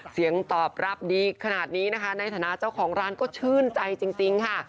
เสียงตอบรับดีขนาดนี้นะคะในฐานะเจ้าของร้านก็ชื่นใจจริงค่ะ